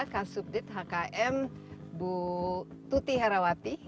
kas subdit hkm bu tuti herawati